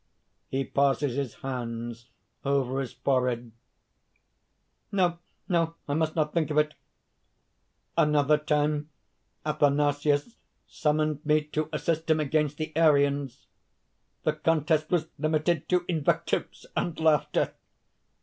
(He passes his hands over his forehead.) "No! no! I must not think of it! "Another time Athanasius summoned me to assist him against the Arians. The contest was limited to invectives and laughter.